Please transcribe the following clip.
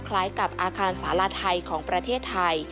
คล้ายกับอาคารสาราไทยของประเทศไทย